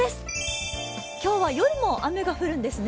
今日は夜も雨が降るんですね。